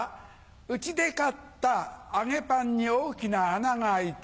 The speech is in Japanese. うちで買った揚げパンに大きな穴が開いている。